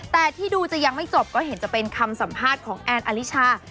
แต่ที่ดูจะยังไม่จบก็เห็นจะเป็นคำสัมภาษณ์ของแอนอลิชา